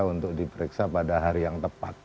untuk diperiksa pada hari yang tepat